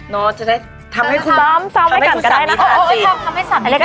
โน้ทำให้คุณไปซ้ำซ้ำไปละกันได้เลยนะคะ